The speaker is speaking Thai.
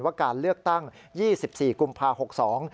ว่าการเลือกตั้ง๒๔กุมภาคม๖๒